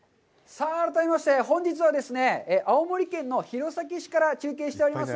さあ、改めまして、本日はですね、青森県の弘前市から中継しております。